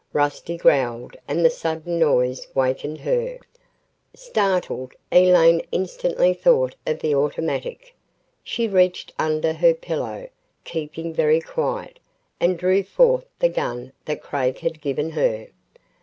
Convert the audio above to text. Rusty growled and the sudden noise wakened her. Startled, Elaine instantly thought of the automatic. She reached under her pillow, keeping very quiet, and drew forth the gun that Craig had given her.